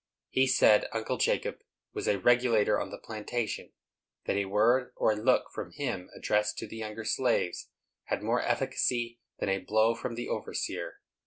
He said Uncle Jacob was a regulator on the plantation; that a word or a look from him, addressed to younger slaves, had more efficacy than a blow from the overseer.